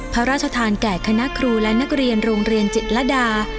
พระราชทานแก่คณะครูและนักเรียนโรงเรียนจิตรดา